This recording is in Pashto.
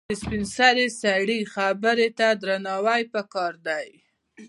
د سپینسرې خبره ته درناوی پکار دی.